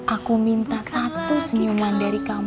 aku minta satu senyuman dari kamu